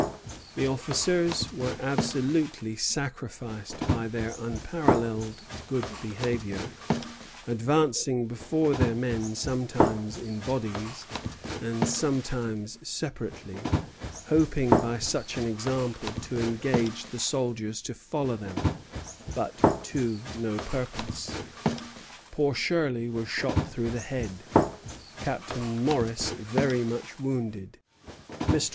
"The officers were absolutely sacrificed by their unparalleled good behavior; advancing before their men sometimes in bodies, and sometimes separately, hoping by such an example to engage the soldiers to follow them; but to no purpose. Poor Shirley was shot through the head, Captain Morris very much wounded. Mr.